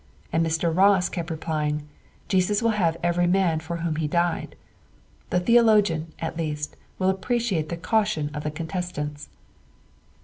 and Mr. Ross kept replying, 'Jesus will have every man for whom he died.' The theologian, at least, will appreciate the caution of the contestants.